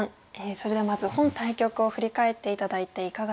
それではまず本対局を振り返って頂いていかがでしょうか？